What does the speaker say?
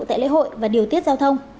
tại lễ hội và điều tiết giao thông